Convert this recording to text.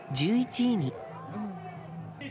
１１位に。